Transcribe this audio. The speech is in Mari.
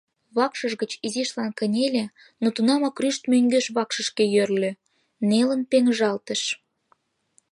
Вакшыж гыч изишлан кынеле, но тунамак рӱшт мӧҥгеш вакшышке йӧрльӧ, нелын пеҥыжалтыш.